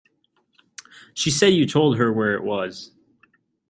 She said you told her where it was.